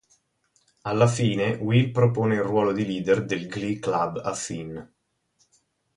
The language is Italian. Alla fine Will propone il ruolo di leader del Glee Club a Finn.